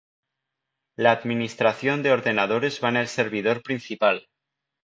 La administración de ordenadores va en el servidor principal